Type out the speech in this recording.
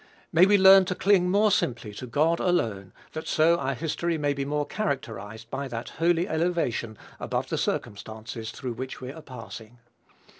May we learn to cling more simply to God alone, that so our history may be more characterized by that holy elevation above the circumstances through which we are passing!